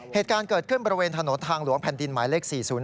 เหตุการณ์เกิดขึ้นบริเวณถนนทางหลวงแผ่นดินหมายเลข๔๐